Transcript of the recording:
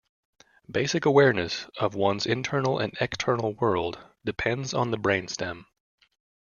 Basic awareness of one's internal and external world depends on the brain stem.